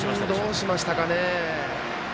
どうしましたかね。